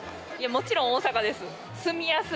もちろん大阪です。